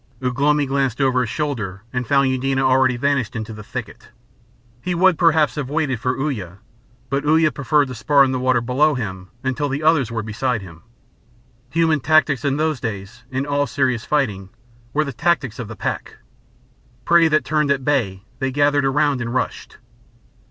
Ugh lomi glanced over his shoulder and found Eudena already vanished into the thicket. He would perhaps have waited for Uya, but Uya preferred to spar in the water below him until the others were beside him. Human tactics in those days, in all serious fighting, were the tactics of the pack. Prey that turned at bay they gathered around and rushed.